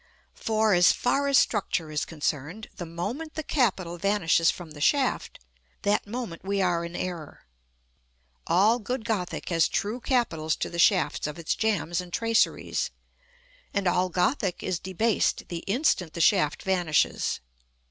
For, as far as structure is concerned, the moment the capital vanishes from the shaft, that moment we are in error: all good Gothic has true capitals to the shafts of its jambs and traceries, and all Gothic is debased the instant the shaft vanishes.